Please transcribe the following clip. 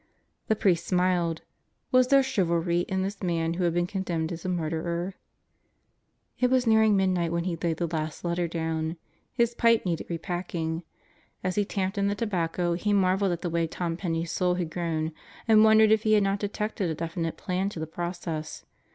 The priest smiled. Was there chivalry in this man who had been condemned as a murderer? It was nearing midnight when he laid the last letter down. His pipe needed repacking. As he tamped in the tobacco he marveled at the way Tom Penney's soul had grown and wondered if he had not detected a definite plan to the process.